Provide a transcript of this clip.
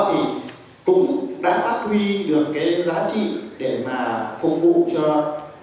trên cùng một đơn vị đa dụng của hệ sinh thái rừng trên cùng một đơn vị